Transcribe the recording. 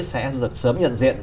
sẽ được sớm nhận diện